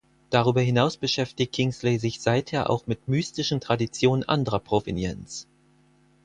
Darüber hinaus beschäftigt Kingsley sich seither auch mit mystischen Traditionen anderer Provenienz.